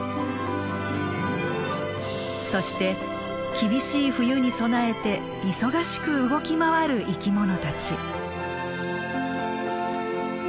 そして厳しい冬に備えて忙しく動き回る生きものたち。